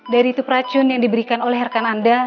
dari itu racun yang diberikan oleh rekan anda